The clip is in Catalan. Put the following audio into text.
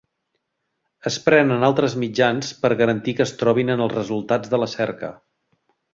Es prenen altres mitjans per garantir que es trobin en els resultats de la cerca.